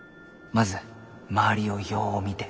まず周りをよう見て。